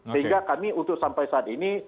sehingga kami untuk sampai saat ini